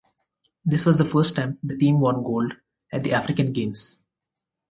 This was the first time the team won gold at the African Games.